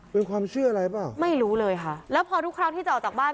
เป็นความเชื่ออะไรเปล่าไม่รู้เลยค่ะแล้วพอทุกครั้งที่จะออกจากบ้าน